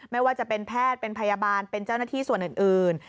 ไม่ว่าจะเป็นแพทย์เป็นพยาบาลเป็นเจ้าหน้าที่ส่วนอื่น